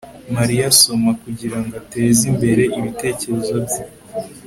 Mariya asoma kugirango ateze imbere ibitekerezo bye